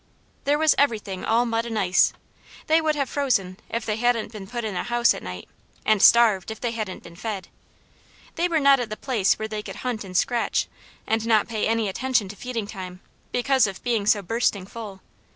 There was everything all ice and mud. They would have frozen, if they hadn't been put in a house at night, and starved, if they hadn't been fed; they were not at the place where they could hunt and scratch, and not pay any attention to feeding time, because of being so bursting full.